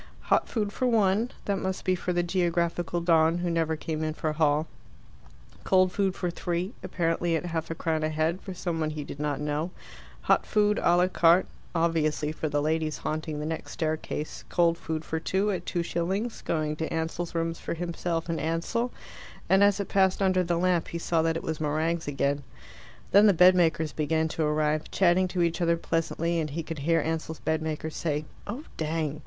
Hot food for one that must be for the geographical don, who never came in for Hall; cold food for three, apparently at half a crown a head, for some one he did not know; hot food, a la carte obviously for the ladies haunting the next staircase; cold food for two, at two shillings going to Ansell's rooms for himself and Ansell, and as it passed under the lamp he saw that it was meringues again. Then the bedmakers began to arrive, chatting to each other pleasantly, and he could hear Ansell's bedmaker say, "Oh dang!"